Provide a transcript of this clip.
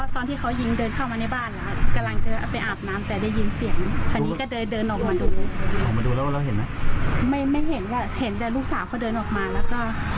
ก็เลยเดินคำข้างหน่วงไปด้วยครับ